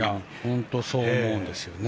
本当にそう思うんですよね。